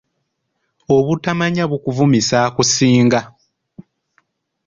Obutamanya bukuvumisa akusinga.